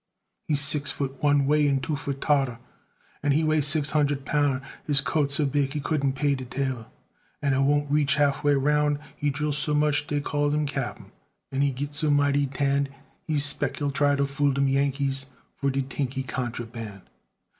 He six foot one way an' two foot todder, An' he weigh six hundred poun'; His coat so big he couldn't pay de tailor, An' it won't reach half way roun'; He drill so much dey calls him cap'n, An' he git so mighty tanned, I spec he'll try to fool dem Yankees, For to tink he contraband.